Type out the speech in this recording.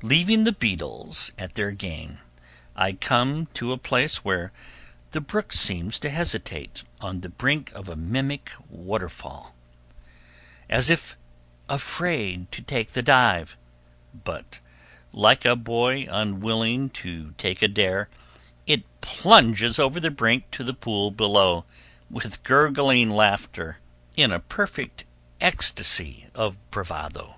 Leaving the beetles at their game, I come to a place where the brook seems to hesitate on the brink of a mimic waterfall, as if afraid to take the dive, but like a boy unwilling to take a dare, it plunges over the brink to the pool below, with gurgling laughter, in a perfect ecstasy of bravado.